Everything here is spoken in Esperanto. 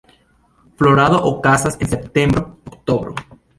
Florado okazas en septembro–oktobro.